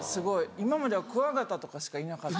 今まではクワガタとかしかいなかった。